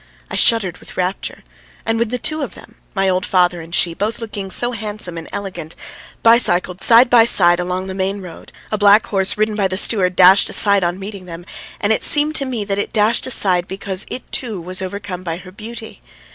I shuddered with rapture, and when the two of them, my old father and she, both looking so handsome and elegant, bicycled side by side along the main road, a black horse ridden by the steward dashed aside on meeting them, and it seemed to me that it dashed aside because it too was overcome by her beauty.